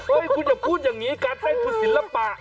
คุณอย่าพูดอย่างนี้การเต้นคือศิลปะ